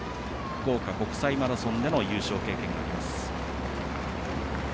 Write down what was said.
福岡国際マラソンでの優勝経験があります。